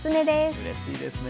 うれしいですね。